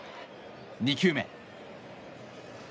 ２球目。